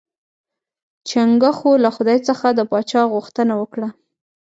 چنګښو له خدای څخه د پاچا غوښتنه وکړه.